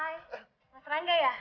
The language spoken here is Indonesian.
ini kan mah